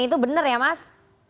itu benar ya mas